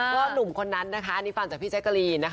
เพราะหนุ่มคนนั้นนะคะนี่ฟังจากพี่ใจกรีนนะคะ